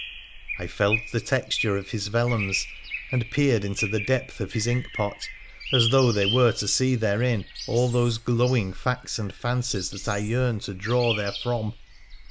I felt the texture of his vellums and peered into the depth of his inkpot, as though there were to see therein all those glowing facts and fancies that I yearned to draw therefrom.